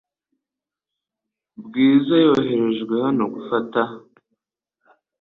Bwiza yoherejwe hano gufata .